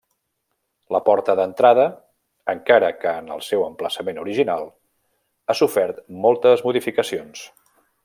La porta d'entrada, encara que en el seu emplaçament original, ha sofert moltes modificacions.